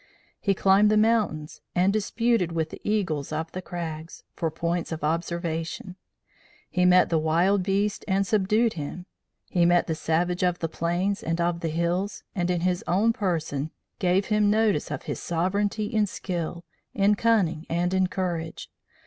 He climbed the mountains and "disputed with the eagles of the crags" for points of observation; he met the wild beast and subdued him; he met the savage of the plains and of the hills, and, in his own person, gave him notice of his sovereignty in skill, in cunning and in courage.